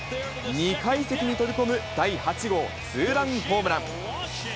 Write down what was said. ２階席に飛び込む第８号ツーランホームラン。